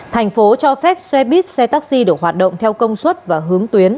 thành phố cho phép xe buýt xe taxi được hoạt động theo công suất và hướng tuyến